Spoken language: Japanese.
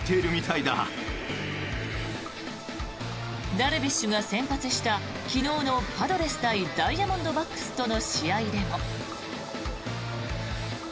ダルビッシュが先発した昨日のパドレス対ダイヤモンドバックスの試合でも。